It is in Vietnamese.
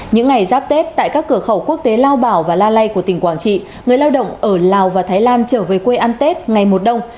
những ngày giáp tết tại các cửa khẩu quốc tế lao bảo và la lây của tỉnh quảng trị người lao động ở lào và thái lan trở về quê ăn tết ngày một đông